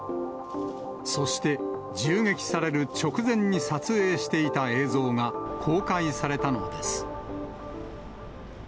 そして、銃撃される直前に撮影していた映像が公開されたのです。